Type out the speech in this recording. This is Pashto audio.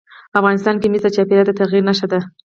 افغانستان کې مس د چاپېریال د تغیر نښه ده.